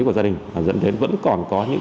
của gia đình dẫn đến vẫn còn có những